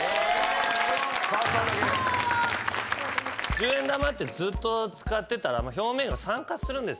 １０円玉ってずっと使ってたら表面が酸化するんですよね。